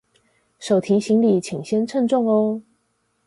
手提行李請先稱重喔